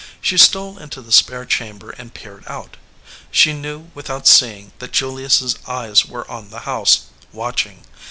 She stole into the spare chamber and peered out. She knew, without seeing, that Julius s eyes were on the house, watching.